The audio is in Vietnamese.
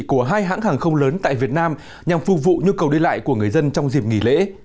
của hai hãng hàng không lớn tại việt nam nhằm phục vụ nhu cầu đi lại của người dân trong dịp nghỉ lễ